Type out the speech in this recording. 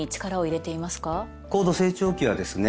高度成長期はですね